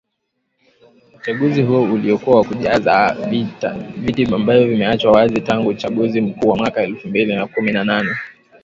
uchaguzi huo ulikuwa wa kujaza viti ambavyo vimeachwa wazi tangu uchaguzi mkuu wa mwaka elfu mbili na kumi na nane